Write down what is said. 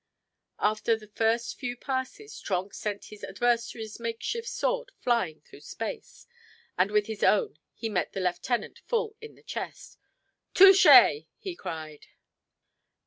After the first few passes, Trenck sent his adversary's make shift sword flying through space, and with his own he met the lieutenant full in the chest. "Touché!" he cried.